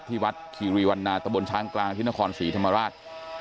ที่วัดฮิรีวันนาตะบนช้างกลางฮิตนขรรดิศรีธรรมาราช